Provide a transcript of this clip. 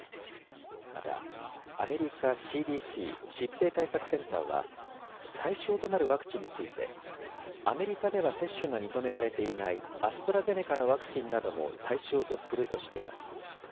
また、アメリカＣＤＣ・疾病対策センターは対象となるワクチンについてアメリカでは接種が認められていないアストラゼネカのワクチンなども対象とするとしています。